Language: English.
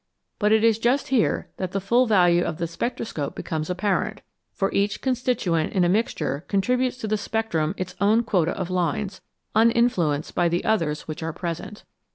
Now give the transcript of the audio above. But it is just here that the full value of the spectroscope becomes apparent, for each constituent in a mixture contributes to the spectrum its own quota of lines, uninfluenced by the others which are present.